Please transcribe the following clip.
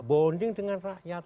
bonding dengan rakyat